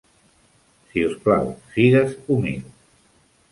Si us plau, sigues humil.